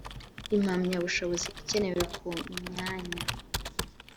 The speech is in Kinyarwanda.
impamyabushobozi ikenewe ku myanya